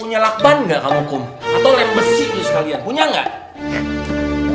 punya lakban gak kamu kum atau rem besi itu sekalian punya gak